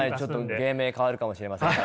芸名変わるかもしれませんが。